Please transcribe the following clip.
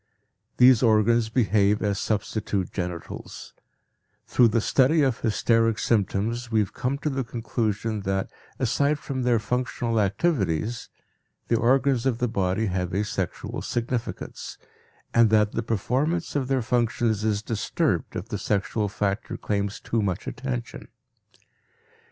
These organs behave as substitute genitals; through the study of hysteric symptoms we have come to the conclusion that aside from their functional activities, the organs of the body have a sexual significance, and that the performance of their functions is disturbed if the sexual factor claims too much attention.